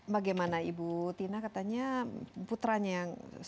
bagaimana ibu tina katanya putranya yang sulung yang mengidap